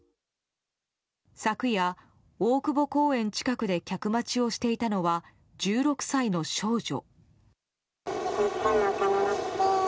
昨夜、大久保公園近くで客待ちをしていたのは１６歳の少女。